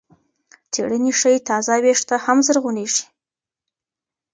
څېړنې ښيي تازه وېښته هم زرغونوي.